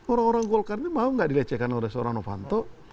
orang orang golkar ini mau nggak dilecehkan oleh seorang novanto